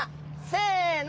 せの！